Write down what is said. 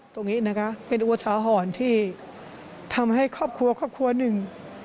ตรงนี้นะคะเป็นอวลสาหรณ์ที่ทำให้ครอบครัวหนึ่ง